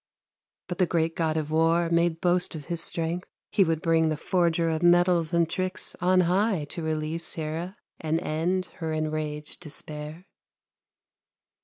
But the great God of war Made boast of his strength; He would bring the forger Of metals and tricks On high to release Hera, and end Her enraged despair.